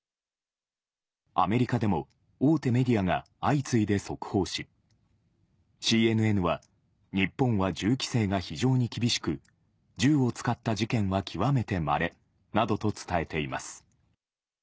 アメリカでも大手メディアが相次いで速報し、ＣＮＮは、日本は銃規制が非常に厳しく、銃を使った事件は極めてまれなどと伝えています。